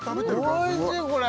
おいしいこれ！